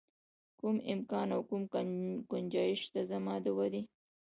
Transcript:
کوم امکان او کوم ګنجایش شته زما د ودې.